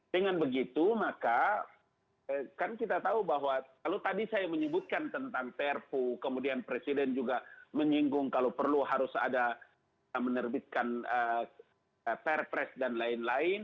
dengan begitu maka kan kita tahu bahwa kalau tadi saya menyebutkan tentang perpu kemudian presiden juga menyinggung kalau perlu harus ada menerbitkan perpres dan lain lain